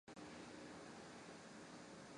郗恢人。